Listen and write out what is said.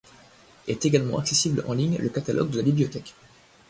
Est également accessible en ligne le catalogue de la bibliothèque.